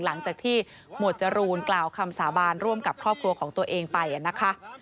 หลังจากที่หมวดจรูนกล่าวคำสาบานร่วมกับครอบครัวของตัวเองไปนะคะ